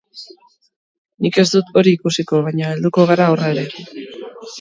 Nik ez dut hori ikusiko, baina helduko gara horra ere.